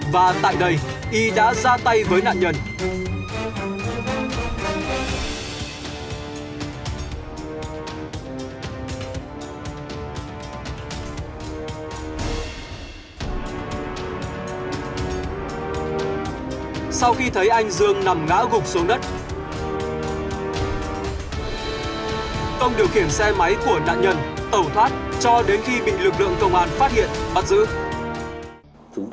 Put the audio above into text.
và tại đây y đã ra tay với nạn nhân